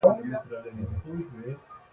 باد د اوبو څپې لوړوي